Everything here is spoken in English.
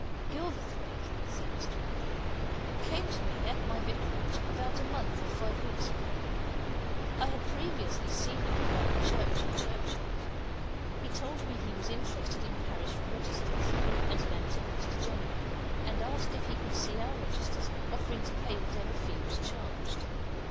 "Gilverthwaite," said Mr. Ridley, "came to me, at my vicarage, about a month or five weeks ago. I had previously seen him about the church and churchyard. He told me he was interested in parish registers, and in antiquities generally, and asked if he could see our registers, offering to pay whatever fee was charged.